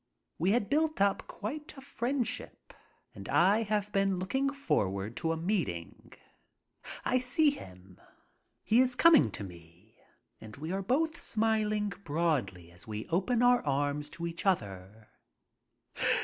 We had built up quite a friendship and I have been looking forward to a meeting. I see him. io6 MY TRIP ABROAD He is coming to me and we are both smiling broadly as we open our arms to each other.